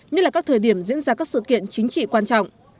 như là các thời điểm diễn ra các sự kiện chính trị quan trọng